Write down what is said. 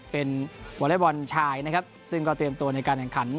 เป็นวอเล็กบอลชายนะครับซึ่งก็เตรียมตัวในการแข่งขัน